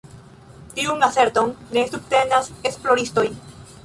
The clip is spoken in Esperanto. Tiun aserton ne subtenas esploristoj.